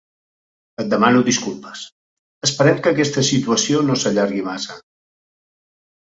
Et demano disculpes, esperem que aquesta situació no s'allargui massa.